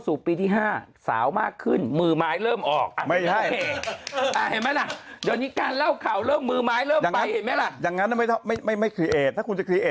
สู่ปีที่ห้าสาวมากขึ้นมือไม้เริ่มออกอ่ะไม่ใช่อ๋อ